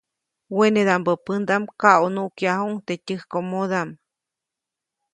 Wenedaʼmbä pändaʼm kaʼunuʼkyajuʼuŋ teʼ tyäjkomodaʼm.